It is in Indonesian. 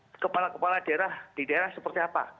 di kepala kepala daerah di daerah seperti apa